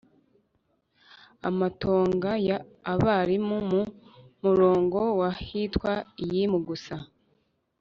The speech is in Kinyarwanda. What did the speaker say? Amatongo ya Abarimu Mu murongo wa hitwa Iyimu gusa